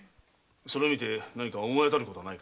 それを見て何か思い当たることはないか？